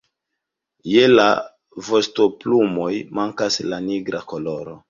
Je la vostoplumoj mankas la nigra koloro.